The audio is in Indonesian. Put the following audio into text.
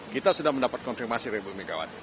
kita sudah mendapat konfirmasi dari bu megawati